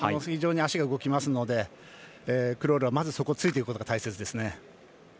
非常に足が動きますのでクロルはまずそこをついていくことが大切ですね。